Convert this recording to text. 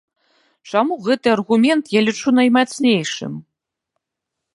Чаму гэты аргумент я лічу наймацнейшым?